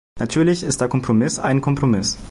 Natürlich ist der Kompromiss ein Kompromiss.